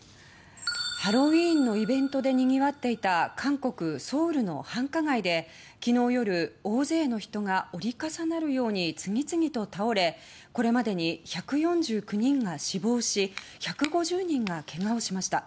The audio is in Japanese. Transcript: ハロウィーンのイベントでにぎわっていた韓国ソウルの繁華街で昨日夜大勢の人が折り重なるように次々と倒れこれまでに１４９人が死亡し１５０人がけがをしました。